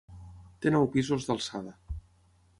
Té nou pisos d'alçada.